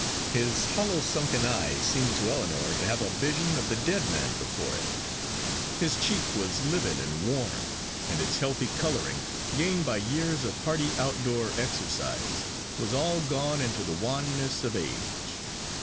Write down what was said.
His hollow sunken eye seemed to Ellinor to have a vision of the dead man before it. His cheek was livid and worn, and its healthy colouring gained by years of hearty out door exercise, was all gone into the wanness of age.